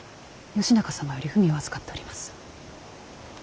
義仲様より文を預かっております。